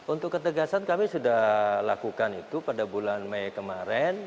untuk ketegasan kami sudah lakukan itu pada bulan mei kemarin